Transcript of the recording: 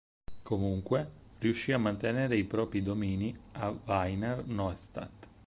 Comunque, riuscì a mantenere i propri domini a Wiener Neustadt.